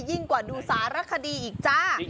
ยิ่งกว่าดูสารคดีอีกจ้า